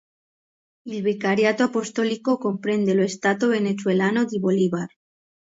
Il vicariato apostolico comprende lo stato venezuelano di Bolívar.